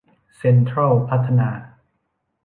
เซ็นทรัลพัฒนา